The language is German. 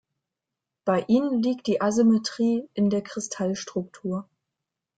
Bei ihnen liegt die Asymmetrie in der Kristallstruktur.